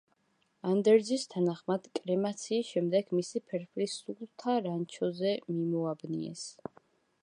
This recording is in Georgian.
ანდერძის თანახმად კრემაციის შემდეგ მისი ფერფლი სულთა რანჩოზე მიმოაბნიეს.